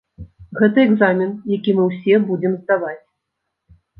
Гэта экзамен, які мы ўсе будзем здаваць.